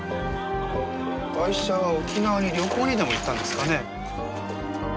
ガイシャは沖縄に旅行にでも行ったんですかね？